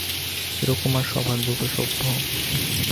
চিরকুমার-সভার দুটো সভ্য?